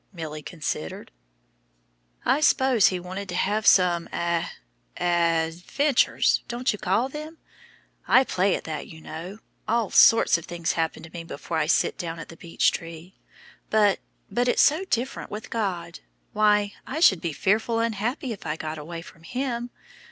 Milly considered. "I s'pose he wanted to have some a aventures, don't you call them? I play at that, you know. All sorts of things happen to me before I sit down at the beech tree, but but it's so different with God. Why, I should be fearful unhappy if I got away from Him.